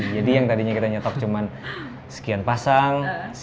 jadi yang tadinya kita nyetok cuman sekian pasang